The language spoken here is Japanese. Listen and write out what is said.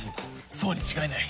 そうに違いない！